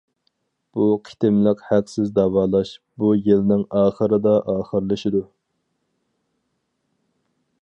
بۇ قېتىملىق ھەقسىز داۋالاش بۇ يىلنىڭ ئاخىرىدا ئاخىرلىشىدۇ.